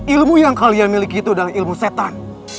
ilmu yang kalian miliki itu adalah ilmu setan